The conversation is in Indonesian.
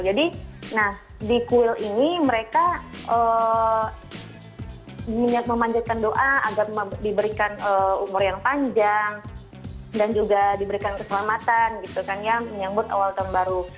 jadi di kuil ini mereka memanjakan doa agar diberikan umur yang panjang dan juga diberikan keselamatan gitu kan yang menyambut awal tahun baru